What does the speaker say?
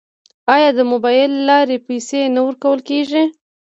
آیا د موبایل له لارې پیسې نه ورکول کیږي؟